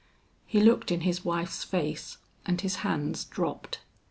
He looked in his wife's face and his hands dropped.